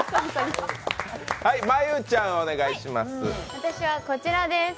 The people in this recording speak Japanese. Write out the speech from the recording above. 私はこちらです。